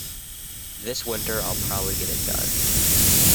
This winter, I'll probably get it done.